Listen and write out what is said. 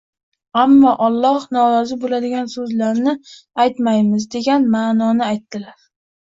ammo Alloh norozi bo‘ladigan so‘zlarni aytmaymiz” degan ma’noni aytdilar